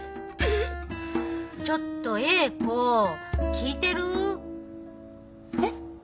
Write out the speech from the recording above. ちょっと詠子聞いてる？え？